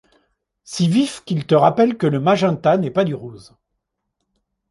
Si vif qu'il te rappelle que le magenta n'est pas du rose.